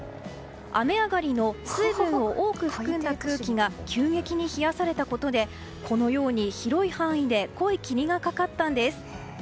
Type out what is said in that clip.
雨上がりの水分を多く含んだ空気が、急激に冷やされたことでこのように広い範囲で濃い霧がかかったんです。